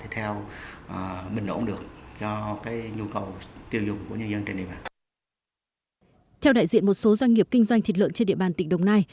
theo đại diện một số doanh nghiệp kinh doanh thịt lợn trên địa bàn tỉnh đồng nai